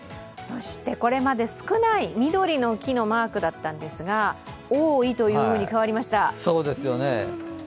そしてこれまで少ない緑の木のマークだったんですが、多いというふうに変わりました。